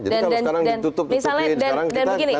jadi kalau sekarang ditutup tutupin sekarang kita nanti disangkan kita